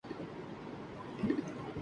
کیا آپ نے کبھی اپنی اررگرد ایسی خواتین دیکھیں